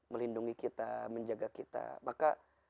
melindungi kita menjaga kita maka